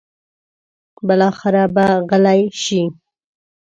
بالاخره به غلې شي.